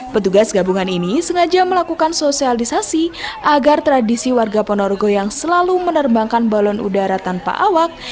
petugas gabungan ini sengaja melakukan sosialisasi agar tradisi warga ponorogo yang selalu menerbangkan balon udara tanpa awak